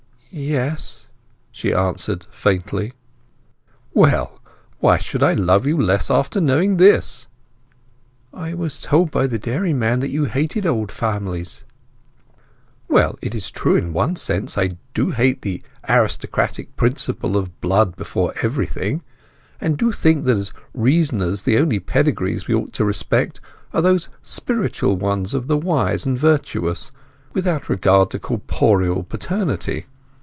"Yes," she answered faintly. "Well—why should I love you less after knowing this?" "I was told by the dairyman that you hated old families." He laughed. "Well, it is true, in one sense. I do hate the aristocratic principle of blood before everything, and do think that as reasoners the only pedigrees we ought to respect are those spiritual ones of the wise and virtuous, without regard to corporal paternity.